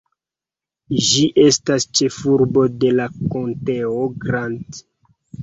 Ĝi estas ĉefurbo de konteo Grant.